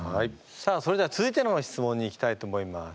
さあそれでは続いての質問にいきたいと思います。